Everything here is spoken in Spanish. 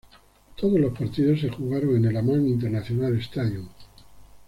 Todos los partidos se jugaron en el Amman International Stadium.